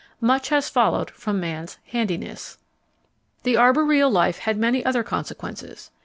Much has followed from man's "handiness." The arboreal life had many other consequences.